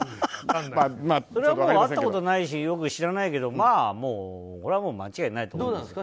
会ったことないしよく知らないけどまあもうこれは間違いないと思います。